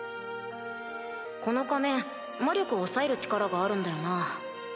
この仮面魔力を抑える力があるんだよな？